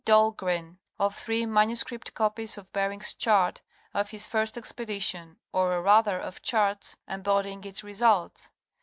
Dahlgren of three manuscript copies of Bering's chart of his first expedition, or rather of charts embodying its results.